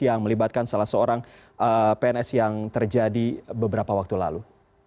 yang melibatkan salah seorang pns yang terjadi beberapa waktu lalu